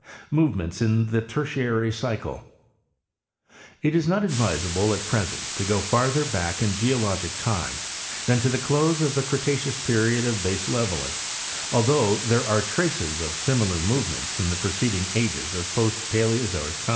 Movements in the Tertiary Cycle.—It is not advisable at present to go farther back in geologic time than to the close of the Cre taceous period of baseleveling, although there are traces of sim similar movements in the preceding ages of post Paleozoic time.